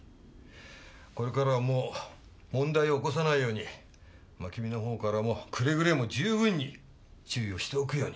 これからはもう問題を起こさないように君の方からもくれぐれも十分に注意をしておくように。